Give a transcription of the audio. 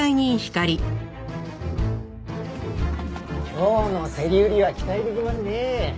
今日の競り売りは期待できますね。